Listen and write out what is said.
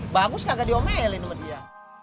bagus kagak diomelin sama dia